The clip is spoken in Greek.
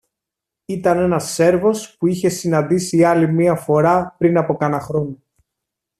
Ήταν ένας Σέρβος που είχε συναντήσει άλλη μια φορά πριν από κάνα χρόνο